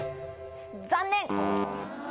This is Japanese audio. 残念！